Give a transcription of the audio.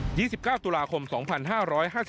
มันกลายเปลี่ยนมากกว่านี้